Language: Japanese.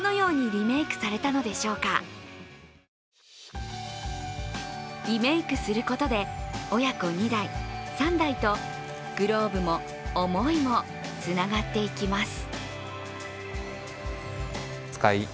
リメークすることで親子２代、３代とグローブも思いもつながっていきます。